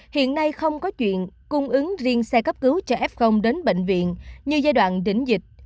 hiện nay không có chuyện cung ứng riêng xe cấp cứu cho f đến bệnh viện như giai đoạn đỉnh dịch